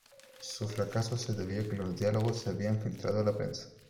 Su fracaso se debió a que los diálogos se habían filtrado a la prensa.